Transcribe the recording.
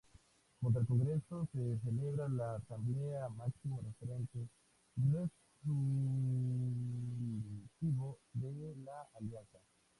Junto al Congreso se celebra la Asamblea, máximo referente resolutivo de la Alianza.